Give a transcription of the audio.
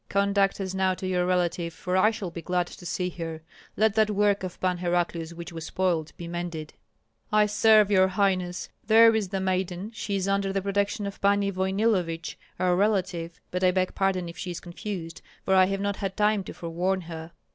Conduct us now to your relative, for I shall be glad to see her. Let that work of Pan Heraclius which was spoiled be mended." "I serve your highness There is the maiden; she is under the protection of Pani Voynillovich, our relative. But I beg pardon if she is confused, for I have not had time to forewarn her."